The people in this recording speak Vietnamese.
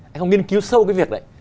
anh không nghiên cứu sâu cái việc đấy